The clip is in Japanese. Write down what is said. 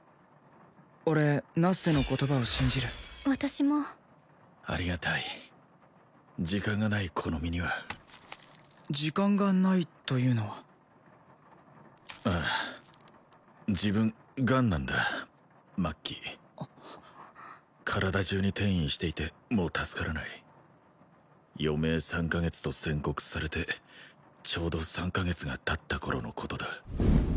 俺ナッセの言葉を信じる私もありがたい時間がないこの身には時間がないというのはああ自分ガンなんだ末期体中に転移していてもう助からない余命３カ月と宣告されてちょうど３カ月がたった頃のことだ